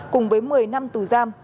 cùng với một mươi năm tù giam